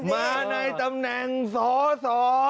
มาในตำแหน่งสอสอ